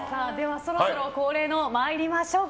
そろそろ恒例の参りましょうか。